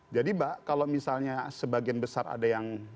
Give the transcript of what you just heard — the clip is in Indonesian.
jadi mbak kalau misalnya sebagian besar ada yang